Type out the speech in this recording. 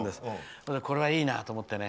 これはいいなと思ってね。